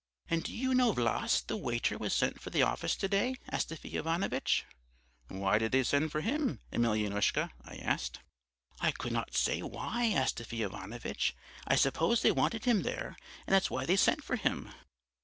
"'And do you know Vlass, the waiter, was sent for to the office to day, Astafy Ivanovitch?' "'Why did they send for him, Emelyanoushka?' I asked. "'I could not say why, Astafy Ivanovitch. I suppose they wanted him there, and that's why they sent for him.'